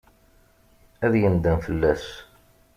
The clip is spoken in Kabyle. Ad yendem fell-as.